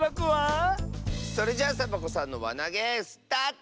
それじゃあサボ子さんのわなげスタート！